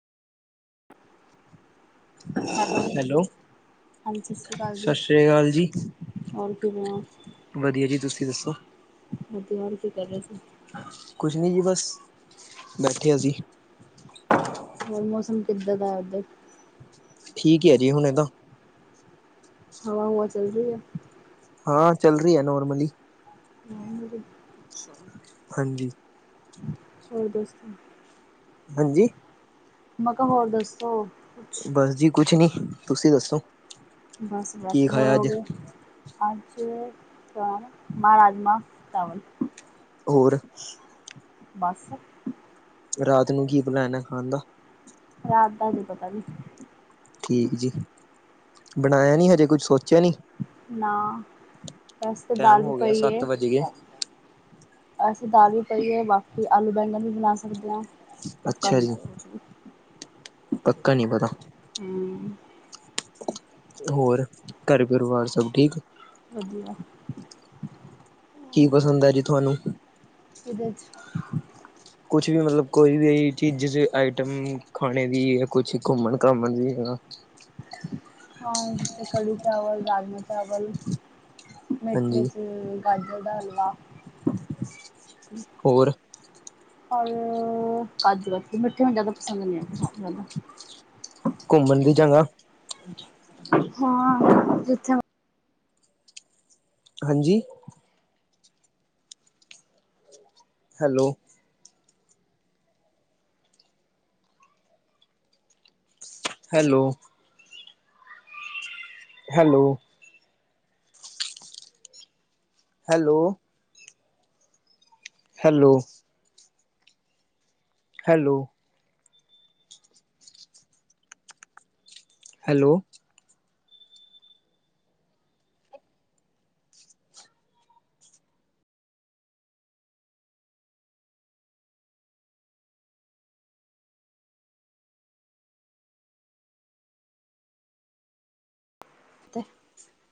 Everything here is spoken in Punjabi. ਹੈਲੋ। ਹਾਂਜੀ ਸਤਿ ਸ਼੍ਰੀ ਅਕਾਲ ਜੀ ਸ਼ਸ਼ਿਰੀ ਕਾਲ ਜੀ। ਹੋਰ ਕਿਵੇਂ ਹੋ ਵਧੀਆ ਜੀ ਤੁਸੀਂ ਦੱਸੋ? ਵਧੀਆ ਹੋਰ ਕੀ ਕਰ ਰਹੇ ਸੀ। ਕੁਛ ਨੀ ਜੀ ਬਸ ਬੈਠੇ ਅਸੀਂ। ਹੋਰ ਮੌਸਮ ਕਿੱਦਾਂ ਦਾ ਐ ਉੱਧਰ? ਠੀਕ ਆ ਜੀ ਹੁਣ ਤਾ ਹਵਾ- ਹੁਵਾ ਚੱਲ ਰਹੀ ਐ। ਹਾਂ ਚੱਲ ਰਹੀ ਐ ਨੋਰਮਲੀ। ਨੋਰਮਲ ਈ ਅੱਛਾ। ਹਾਂਜੀ। ਹੋਰ ਦੋਸਤਾਂ ਹਾਂਜੀ। ਮ ਕਾ ਹੋਰ ਦੱਸੋ। ਕੁਛ ਬਸ ਜੀ ਕੁਛ ਨੀ ਤੁਸੀਂ ਦੱਸੋ। ਬਸ ਕੀ ਬੈਠੇ ਖਾਇਆ ਅੱਜ ਹੋਏ ਆਂ। ਅਜ, ਤਾਂ ਮਾਂ ਰਾਜਮਾ ਚਾਵਲ। ਹੋਰ। ਬਸ। ਰਾਤ ਨੂੰ ਕੀ ਬਣਾਣਾ ਖਾਣ ਦਾ। ਰਾਤ ਦਾ ਅਜੇ ਪਤਾ ਨੀ। ਠੀਕ ਜੀ, ਬਣਾਆ ਨੀ ਹਜੇ ਕੁੱਝ ਸੋਚੇਆ ਨੀ। ਨਾ ਬਸ ਤ ਟਾਈਮ ਦਾਲ ਹੋ ਗਿਆ ਪਈ ਏ। ਸੱਤ ਵੱਜ ਗਏ ਅਸੀਂ ਦਾਲ ਵੀ ਪਈ ਏ, ਬਾਕੀ ਆਲੂ-ਬੈਂਗਣ ਵੀ ਬਣਾ ਸਕਦੇ ਆਂ। ਅੱਛਾ ਜੀ, ਪੱਕਾ ਨੀ ਪਤਾ। ਹੂੰ। ਹੋਰ, ਘਰ ਪਰਿਵਾਰ ਸਬ ਠੀਕ। ਵਧੀਆ। ਕੀ ਪਸੰਦ ਐ ਜੀ ਤੁਆਨੂੰ। ਕਿਦੇ ਚ। ਕੁਛ ਵੀ ਮਤਲਬ ਕੋਈ ਵੀ ਚੀਜ਼ ਜਿਸ ਆਈਟਮ ਖਾਣੇ ਦੀ, ਕੁਛ ਘੁੰਮਣ-ਘਾਮਣ ਦੀ। ਹਾਂ ਤੇ ਕੜੀ-ਚਾਵਲ, ਰਾਜਮਾ-ਚਾਵਲ, ਮਿੱਠੇ ਹਾਂਜੀ ਚ। ਗਾਜਰ ਦਾ ਹਲਵਾ। ਹੋਰ ਰ ਕਾਜੂ ਮਿੱਠੇ ਮੈਨੂੰ ਜ਼ਆਦਾ ਪਸੰਦ ਨੀ ਓ। ਘੁੰਮਣ ਦੀ ਜਗਾ। ਹਾਂ ਜਿੱਥੇ। ਹਾਂਜੀ। Hello. Hello. Hello. Hello. Hello. Hello. Hello. ਤੇ।